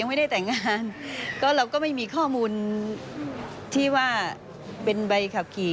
การจะเข้าถึงข้อมูลส่วนบุคคลได้